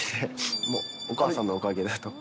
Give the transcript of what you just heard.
もうお母さんのおかげだと。